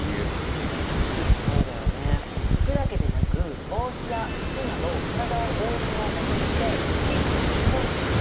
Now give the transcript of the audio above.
服だけでなく帽子や靴など体を覆うものをまとめて被服といいます。